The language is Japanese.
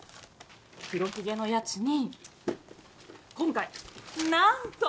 黒ひげのやつに今回なんと！